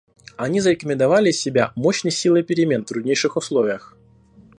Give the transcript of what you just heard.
Они зарекомендовали себя мощной силой перемен в труднейших условиях.